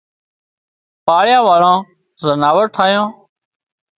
پاۯيا واۯان زناور ٺاهيان